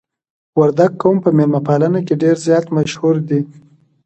وردګ قوم په میلمه پالنه کې ډیر زیات مشهور دي.